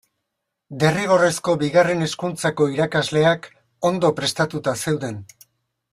Derrigorrezko Bigarren Hezkuntzako irakasleak ondo prestatuta zeuden.